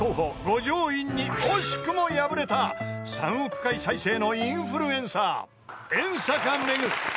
五条院に惜しくも敗れた３億回再生のインフルエンサー遠坂めぐ］